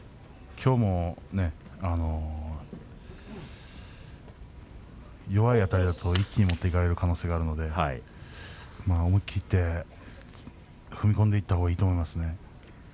きょうも弱いあたりだと一気に持っていかれる可能性があるので思い切って踏み込んでいったほうがいいと思いますね。